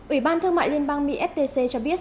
ủy ban thương mại liên bang mỹ ftc cho biết